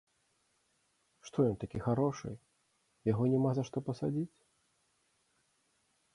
Што ён такі харошы, яго няма за што пасадзіць?